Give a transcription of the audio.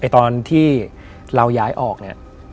ตอนที่เราย้ายออกเนี่ย